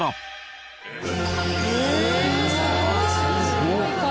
すごい数。